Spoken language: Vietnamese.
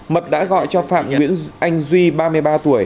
mật đã gọi cho phạm nguyễn anh duy ba mươi ba tuổi